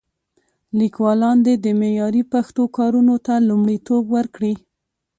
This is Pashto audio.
لیکوالان دې د معیاري پښتو کارونو ته لومړیتوب ورکړي.